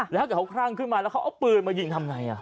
แล้วแต่เขาคลั่งขึ้นมาแล้วเขาเอาปืนมายิงทำไง